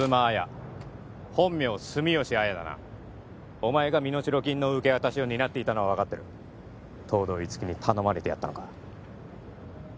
お前が身代金の受け渡しを担っていたのは分かってる東堂樹生に頼まれてやったのか？